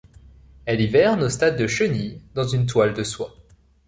Elle hiverne au stade de chenille, dans une toile de soie.